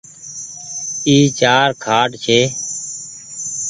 اي چآر کآٽ ڇي۔